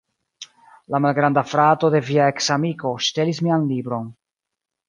La malgranda frato de via eksamiko ŝtelis mian libron